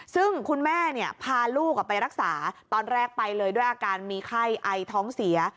ซึ่งคุณแม่พาลูกไปรักษาตอนแรกไปเลยด้วยอาการมีไข้ไอท้องเสีย